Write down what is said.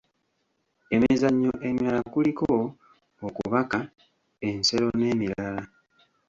Emizannyo emirala kuliko; okubaka, ensero, n'emirala.